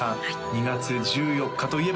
２月１４日といえば？